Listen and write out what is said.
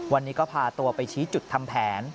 วันนี้ก็พาตัวไปชี้จุดทำแผน